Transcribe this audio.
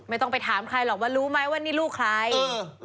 ไม่ต้องไปถามใครหรอกว่ารู้ไหมว่านี่ลูกใคร